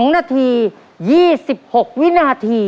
๒นาที๒๖วินาที